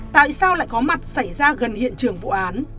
tại sao lại có mặt xảy ra gần hiện trường vụ án